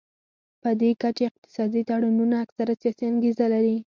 پدې کچه اقتصادي تړونونه اکثره سیاسي انګیزه لري